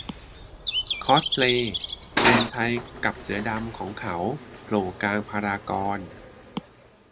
คอสเพลย์ "เปรมชัยกับเสือดำของเขา" โผล่กลางพารากอน